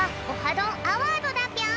どんアワード」だぴょん！